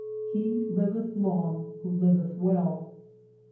'' He liveth Ions: who liveth well.'